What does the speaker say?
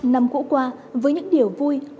năm cũ qua với những điều vui vui vẻ vui vẻ